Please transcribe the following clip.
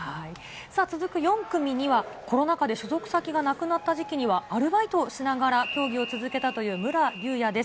続く４組には、コロナ禍で所属先がなくなった時期には、アルバイトをしながら競技を続けたという、武良竜也です。